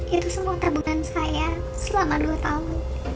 itu semua terbuka saya selama dua tahun